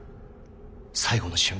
最後の瞬間